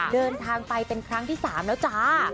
เดินทางไปเป็นครั้งที่๓แล้วจ้า